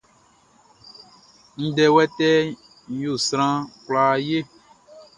Ndɛ wɛtɛɛʼn yo sran kwlaa ye.